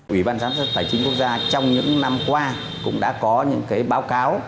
ủy ban giám sát tài chính quốc gia trong những năm qua cũng đã có những báo cáo